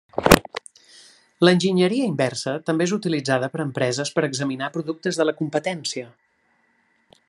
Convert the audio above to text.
L'enginyeria inversa també és utilitzada per empreses per a examinar productes de la competència.